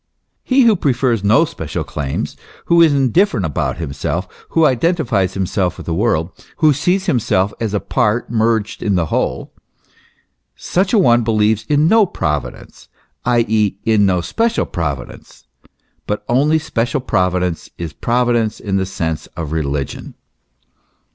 He who prefers no special claims, who is indifferent about himself, who identifies himself with the world, who sees himself as a part merged in the whole, such a one believes in no Provi dence, i.e., in no special Providence ; but only special Providence is Providence in the sense of religion.